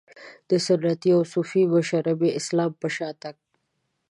د سنتي او صوفي مشربي اسلام په شا تګ.